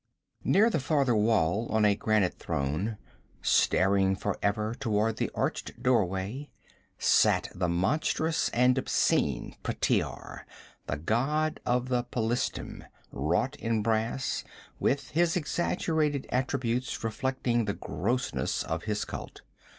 Near the farther wall on a granite throne, staring for ever toward the arched doorway, sat the monstrous and obscene Pteor, the god of the Pelishtim, wrought in brass, with his exaggerated attributes reflecting the grossness of his cult.